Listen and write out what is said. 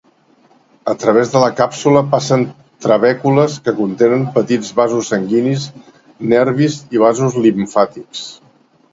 A través de la càpsula passen trabècules que contenen petits vasos sanguinis, nervis i vasos limfàtics.